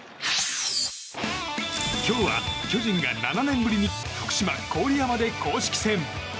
今日は巨人が７年ぶりに福島・郡山で公式戦。